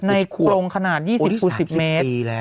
ในกรงขนาด๒๐๒๐เมตร